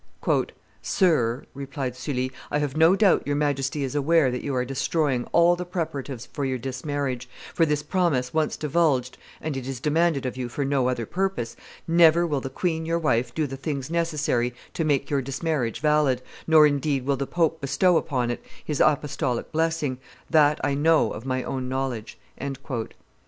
"Sir," replied Sully, "I have no doubt your Majesty is aware that you are destroying all the preparatives for your dismarriage, for, this promise once divulged, and it is demanded of you for no other purpose, never will the queen, your wife, do the things necessary to make your dismarriage valid, nor indeed will the pope bestow upon it his Apostolic blessing; that I know of my own knowledge."